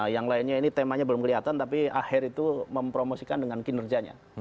yang lainnya ini temanya belum kelihatan tapi akhir itu mempromosikan dengan kinerjanya